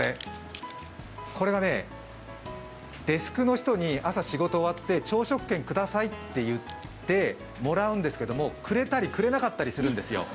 これがデスクの人に朝、仕事が終わって朝食券くださいって言ってもらうんですが、くれたり、くれなかったりするんですよ。